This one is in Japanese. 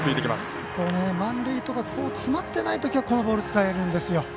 ランナーが詰まっていないときはこのボールは使えるんですよ。